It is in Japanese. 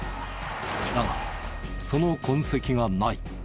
だがその痕跡がない。